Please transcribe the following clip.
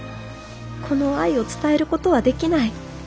この愛を伝えることはできない。